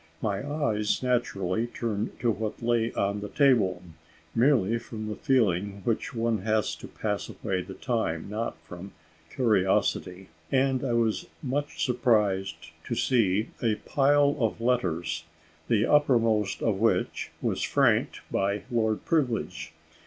My eyes naturally turned to what lay on the table, merely from the feeling which one has to pass away the time, not from curiosity; and I was much surprised to see a pile of letters the uppermost of which was franked by Lord Privilege.